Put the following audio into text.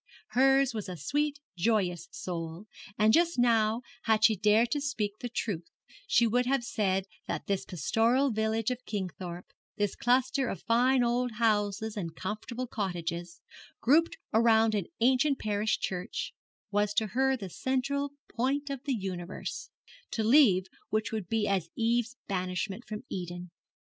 Hers was a sweet, joyous soul; and just now, had she dared to speak the truth, she would have said that this pastoral village of Kingthorpe, this cluster of fine old houses and comfortable cottages, grouped around an ancient parish church, was to her the central point of the universe, to leave which would be as Eve's banishment from Eden.